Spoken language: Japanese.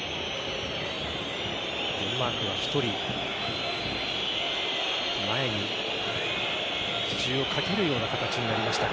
デンマークは１人前に比重をかけるような形になりました。